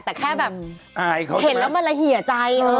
แต่แค่แบบเห็นแล้วมันละเหี่ยใจ